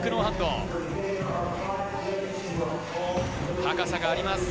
高さがあります。